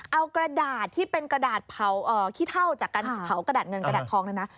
เอากระดาษที่เป็นกระดาษเผาขี้เท่าจากการเผากระดาษเงินกระดาษทองเนี่ยนะ